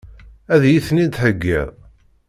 Ad iyi-ten-id-theggiḍ?